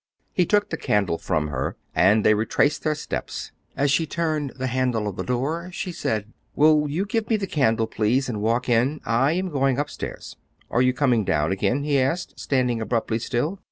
He took the candle from her, and they retraced their steps. As she turned the handle of the door, she said, "Will you give me the candle, please, and walk in? I am going upstairs." "Are you coming down again?" he asked, standing abruptly still.